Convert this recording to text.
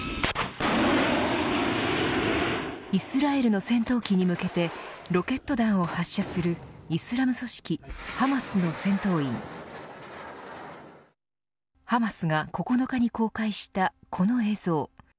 イスラエルの戦闘機に向けてロケット弾を発射するイスラム組織、ハマスの戦闘員ハマスが９日に公開したこの映像。